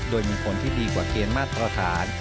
โดยมีผลที่ดีกว่าเครนมาตรประฐาน